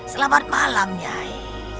selamat malam nyai